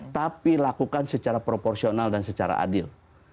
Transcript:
tapi lakukan secara proporsional dan secara adil